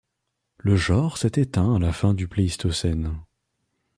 Le genre s'est éteint à la fin du Pléistocène.